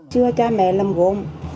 xưa cha mẹ làm gốm